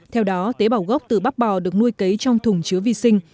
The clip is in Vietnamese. theo đó tế bào gốc từ bắp bò được nuôi cấy trong thùng chứa vi sinh